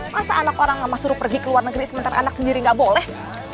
masa anak orang lama suruh pergi ke luar negeri sementara anak sendiri nggak boleh